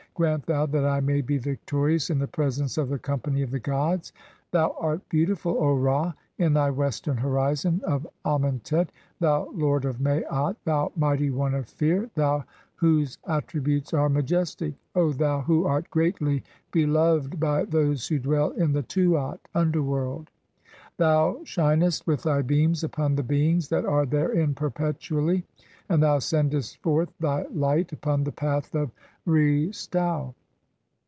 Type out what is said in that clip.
Grant "thou (i3) that I may be victorious in the presence of the company "of the gods. Thou art beautiful, O Ra, in thy western horizon "of Amentet, thou lord of Maat, thou mighty one of fear, thou "whose attributes are majestic, O thou who art greatly (14) be "loved by those who dwell in theTuat (underworld); thou shinest "with thy beams upon the beings that are therein perpetually, "and thou sendest forth thy light upon the path of Re stau.